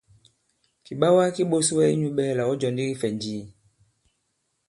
Kìɓawa ki ɓōs wɛ i nyū ɓɛ̄ɛlà ɔ̀ jɔ ndī kifɛ̀nji?